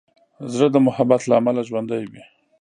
زړه د محبت له امله ژوندی وي.